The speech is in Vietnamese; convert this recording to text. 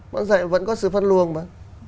vẫn dạy vẫn có sự phân luồng mà